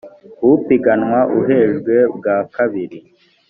upiganwa uhejwe bwa kabiri